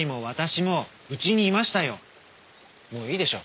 もういいでしょう。